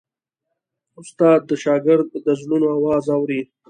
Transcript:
استاد د شاګرد د زړونو آواز اوري.